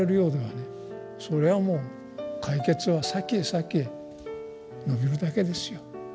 それはもう解決は先へ先へ伸びるだけですよ。